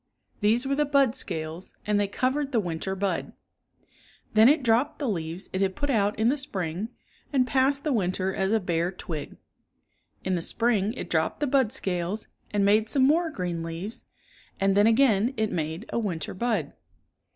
These were the bud scales and they covered the winter bud. Then it dropped the leaves It had put out In the spring and passe:l the winter as a bare twig. In the spring it dropped the bud scales, and made some more green leaves, and then again it made a winter bud.